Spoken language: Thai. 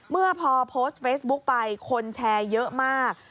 เมื่อพอโพสต์เฟซบุ๊กไปคนแชร์เยอะมาก